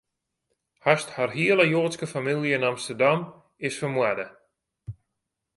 Hast har hiele Joadske famylje yn Amsterdam, is fermoarde.